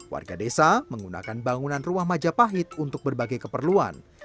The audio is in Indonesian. warga desa menggunakan bangunan rumah majapahit untuk berbagai keperluan